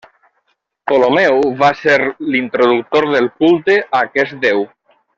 Ptolemeu va ser l'introductor del culte a aquest déu.